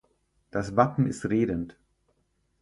Das Wappen ist redend.